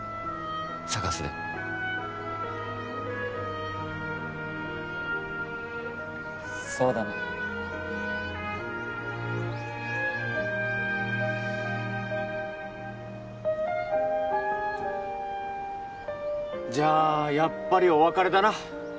ＳＡＧＡＳでそうだなじゃあやっぱりお別れだな